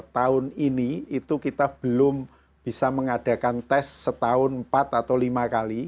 tahun ini itu kita belum bisa mengadakan tes setahun empat atau lima kali